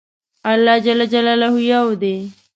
الله ج يو دی